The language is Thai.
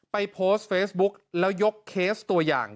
โพสต์เฟซบุ๊กแล้วยกเคสตัวอย่าง